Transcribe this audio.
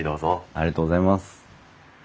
ありがとうございます。